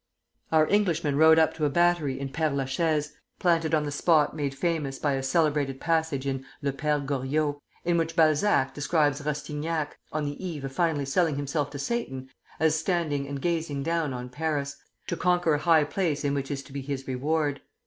Our Englishman rode up to a battery in Père la Chaise, planted on the spot made famous by a celebrated passage in "Le Père Goriot," in which Balzac describes Rastignac, on the eve of finally selling himself to Satan, as standing and gazing down on Paris, to conquer a high place in which is to be his reward.